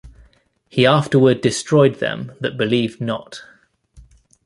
He afterward destroyed them that believed not.